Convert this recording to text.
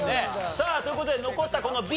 さあという事で残ったこのＢ